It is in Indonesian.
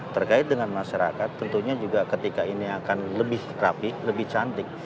terkait dengan masyarakat tentunya juga ketika ini akan lebih rapi lebih cantik